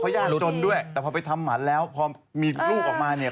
ยากจนด้วยแต่พอไปทำหมันแล้วพอมีลูกออกมาเนี่ย